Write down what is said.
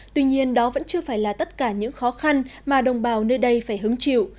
tuy nhiên đó vẫn chưa phải là tất cả những khó khăn mà đồng bào nơi đây phải hứng chịu